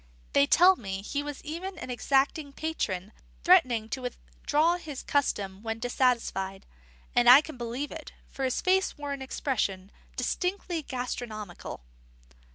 They tell me he was even an exacting patron, threatening to withdraw his custom when dissatisfied; and I can believe it, for his face wore an expression distinctly gastronomical.